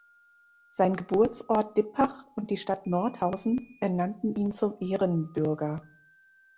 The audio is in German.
Sein Geburtsort Dippach und die Stadt Nordhausen ernannten ihn zum Ehrenbürger.